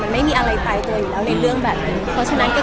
มันไม่มีอะไรตายตัวอยู่แล้วในเรื่องแบบนี้